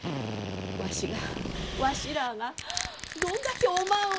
わしがわしらあがどんだけおまんを。